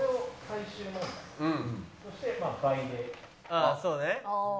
ああそうね。